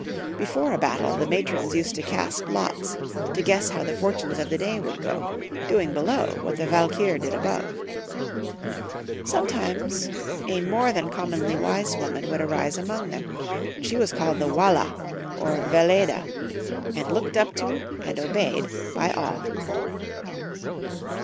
Before a battle, the matrons used to cast lots to guess how the fortunes of the day would go, doing below what the Valkyr did above. Sometunes a more than commonly wise woman would arise among them, and she was called the Wala, or Velleda, and looked up to and obeyed by all.